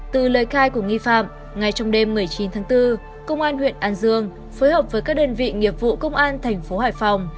từ lời khai của nghi phạm ngay trong đêm một mươi chín tháng bốn công an huyện an dương phối hợp với các đơn vị nghiệp vụ công an thành phố hải phòng